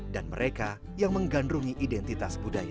dan mereka yang menggandungi identitas budaya